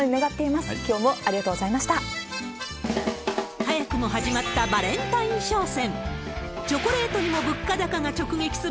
早くも始まったバレンタイン商戦。